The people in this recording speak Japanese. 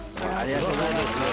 ありがとうございます。